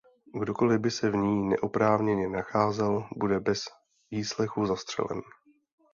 Kdokoli by se v ní neoprávněně nacházel bude bez výslechu zastřelen.